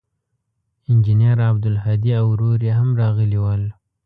انجنیر عبدالهادي او ورور یې هم راغلي ول.